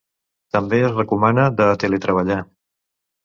També es recomana de teletreballar.